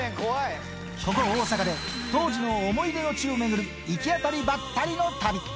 ここ、大阪で当時の思い出の地を巡る、行き当たりばったりの旅。